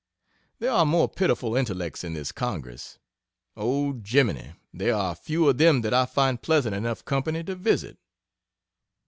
There are more pitiful intellects in this Congress! Oh, geeminy! There are few of them that I find pleasant enough company to visit.